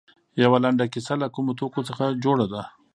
یوه لنډه کیسه له کومو توکو څخه جوړه ده.